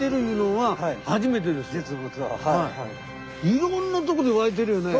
いろんなとこで湧いてるよね。